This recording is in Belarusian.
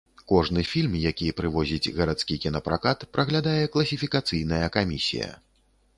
Кожны фільм, які прывозіць гарадскі кінапракат, праглядае класіфікацыйная камісія.